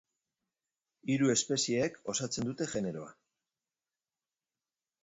Hiru espezieek osatzen dute generoa.